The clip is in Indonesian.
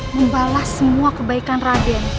membalas semua kebaikan raden